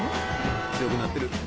・強くなってる。